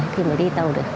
thì mới đi tàu được